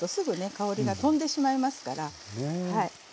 香りがとんでしまいますからはい。